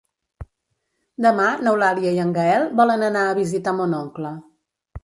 Demà n'Eulàlia i en Gaël volen anar a visitar mon oncle.